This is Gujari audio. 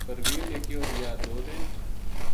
پروین نے کہیو:”یاہ دو دن